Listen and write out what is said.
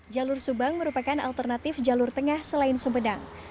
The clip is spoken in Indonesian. jalur subang merupakan alternatif jalur tengah selain sumedang